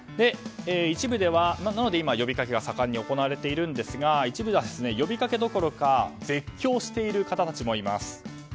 なので今、呼びかけが盛んに行われているんですが一部では呼びかけどころか絶叫している方たちもいます。